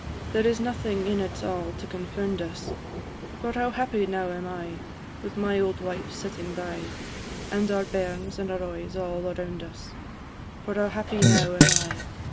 There is nothing in it all to confound us: For how happy now am I, With my old wife sitting by, And our bairns and our oys all around us; For how happy now am I, &c.